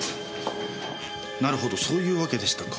なるほどそういうわけでしたか。